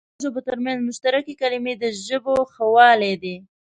د دوو ژبو تر منځ مشترکې کلمې د ژبو ښهوالی دئ.